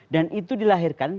dan itu dilahirkan